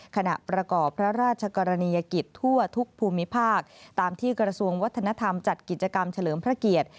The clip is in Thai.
ขณะประกอบพระราชกรณียกิจทั่วทุกภูมิภาคตามที่กระทรวงวัฒนธรรมจัดกิจกรรมเฉลิมพระเกียรติ